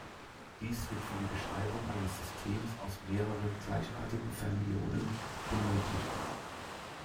Dies wird für die Beschreibung eines Systems aus mehreren gleichartigen Fermionen benötigt.